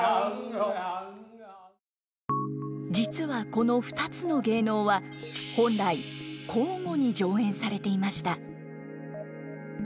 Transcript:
実はこの２つの芸能は本来交互に上演されていました。